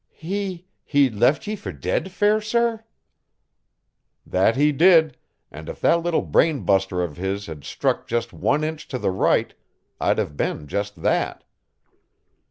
"He ... he left ye for dead, fair sir?" "That he did, and if that little brain buster of his had struck just one inch to the right, I'd have been just that."